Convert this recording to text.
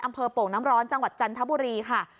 โป่งน้ำร้อนจังหวัดจันทบุรีค่ะ